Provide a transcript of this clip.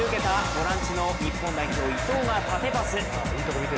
ボランチの日本代表、伊藤が縦パス。